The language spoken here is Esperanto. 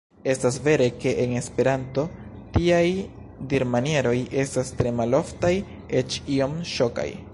Estas vere, ke en Esperanto, tiaj dirmanieroj estas tre maloftaj, eĉ iom ŝokaj.